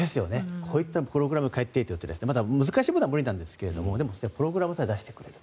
こういったプログラムを書いてというとまだ難しいものは無理なんですがでもプログラムさえ出してくれると。